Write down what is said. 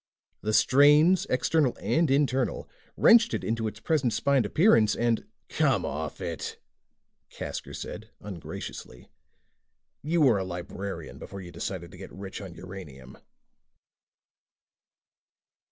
The strains, external and internal, wrenched it into its present spined appearance and " "Come off it," Casker said ungraciously. "You were a librarian before you decided to get rich on uranium."